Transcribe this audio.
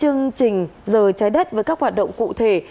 chương trình giờ trái đất với các hoạt động cụ thể